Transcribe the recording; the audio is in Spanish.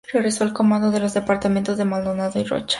Regresó al comando de los departamentos de Maldonado y Rocha.